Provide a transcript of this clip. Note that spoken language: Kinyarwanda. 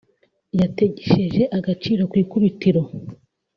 yatesheje agaciro ku ikubitiro